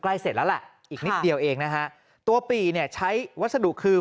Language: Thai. เสร็จแล้วแหละอีกนิดเดียวเองนะฮะตัวปี่เนี่ยใช้วัสดุคือ